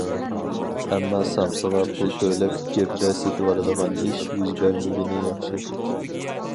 ئەمما سامسىغا پۇل تۆلەپ گىردە سېتىۋالىدىغان ئىش يۈز بەرمىگىنى ياخشى.